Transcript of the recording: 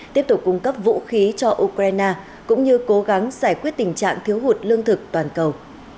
tiếp tục cung cấp vũ khí cho ukraine cũng như cố gắng giải quyết tình trạng thiếu hụt lương thực toàn cầu